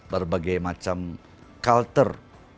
berbagai macam kalter